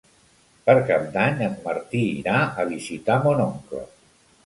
Per Cap d'Any en Martí irà a visitar mon oncle.